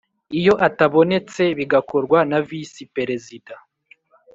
Iyo atabonetse bigakorwa na Visi Perezida